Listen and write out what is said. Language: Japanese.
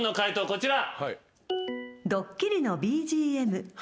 こちら。